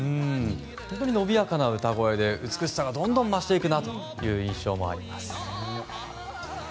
本当に伸びやかな歌声で美しさがどんどん増していくなという印象もあります。